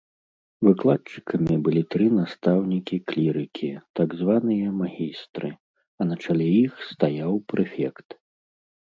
Выкладчыкамі былі тры настаўнікі-клірыкі, так званыя магістры, а на чале іх стаяў прэфект.